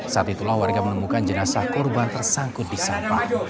saat itulah warga menemukan jenazah korban tersangkut di sampah